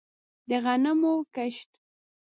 د غنمو کښت